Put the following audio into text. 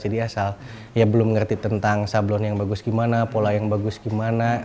jadi asal ya belum ngerti tentang sablon yang bagus gimana pola yang bagus gimana